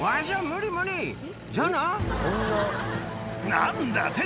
何だ。